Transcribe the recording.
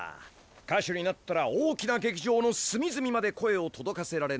歌手になったら大きな劇場の隅々まで声をとどかせられないとな。